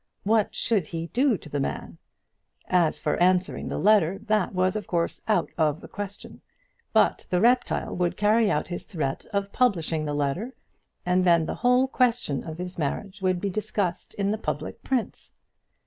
What should he do to the man? As for answering the letter, that was of course out of the question; but the reptile would carry out his threat of publishing the letter, and then the whole question of his marriage would be discussed in the public prints.